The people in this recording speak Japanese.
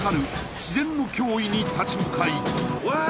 自然の脅威に立ち向かいうわ！